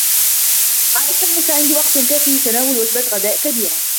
عادة، ليس عندي وقت كاف لتناول وجبة غداء كبيرة